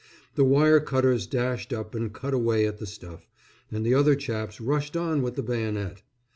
The wire cutters dashed up and cut away at the stuff, and the other chaps rushed on with the bayonet.